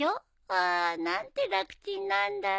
あ何て楽ちんなんだろ。